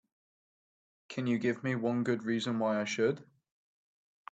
Can you give me one good reason why I should?